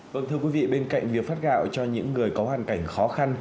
vâng thưa quý vị bên cạnh việc phát gạo cho những người có hoàn cảnh khó khăn